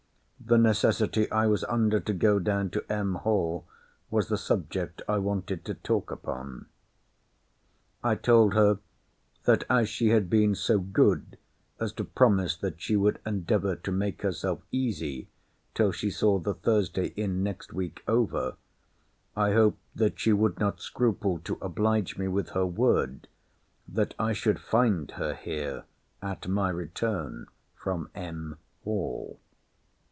The necessity I was under to go down to M. Hall was the subject I wanted to talk upon. I told her, that as she had been so good as to promise that she would endeavour to make herself easy till she saw the Thursday in next week over, I hoped that she would not scruple to oblige me with her word, that I should find her here at my return from M. Hall.